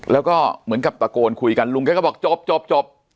แล้วก็เหมือนกับตะโกนคุยกันลุงแกก็บอกจบจบ